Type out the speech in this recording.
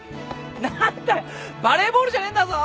何だよバレーボールじゃねえんだぞ。